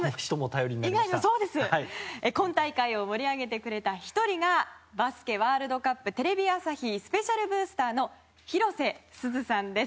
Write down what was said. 今大会を盛り上げてくれた１人がバスケＷ杯テレビ朝日スペシャルブースター広瀬すずさんです！